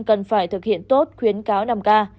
cần phải thực hiện tốt khuyến cáo năm k